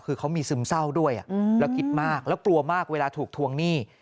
คือเขามีซึมเศร้าด้วยแล้วคิดมากแล้วกลัวมากเวลาถูกทวงหนี้